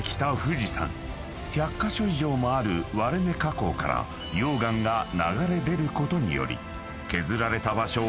［１００カ所以上もある割れ目火口から溶岩が流れ出ることにより削られた場所を］